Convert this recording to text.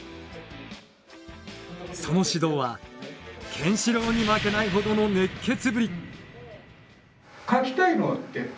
その指導はケンシロウに負けないほどの熱血ぶり。